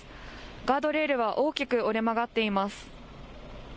ガードレールは大きく折れ曲がっています。